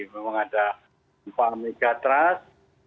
memang ada gempa megatrust